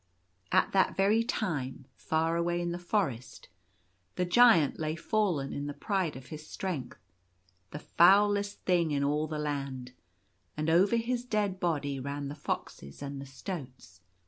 At that very time, far away in the forest, the Giant lay fallen in the pride of his strength — the foulest thing in all the land — and over his dead body ran the foxes and the stoats.